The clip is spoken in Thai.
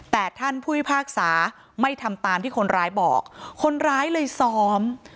แต่ท่านผู้พิพากษาไม่ทำตามที่คนร้ายบอกคนร้ายเลยซ้อม